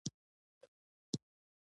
• کینه د انسان زړۀ ته زهر ورکوي.